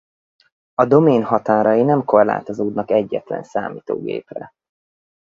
A domain határai nem korlátozódnak egyetlen számítógépre.